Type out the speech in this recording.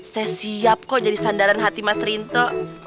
saya siap kok jadi sandaran hati mas rinto